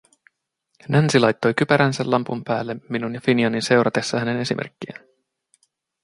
Nancy laittoi kypäränsä lampun päälle minun ja Finianin seuratessa hänen esimerkkiään.